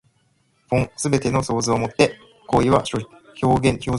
凡すべての思想凡ての行為は表象である。